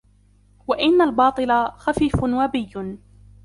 وَإِنَّ الْبَاطِلَ خَفِيفٌ وَبِيٌّ